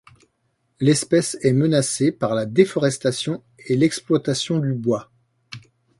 L'espèce est menacée par la déforestation et l'exploitation du bois.